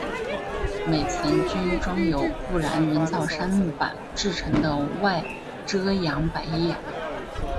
每层均装有不燃人造杉木板制成的外遮阳百叶。